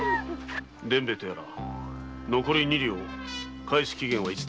伝兵衛とやら残り二両返す期限はいつだ？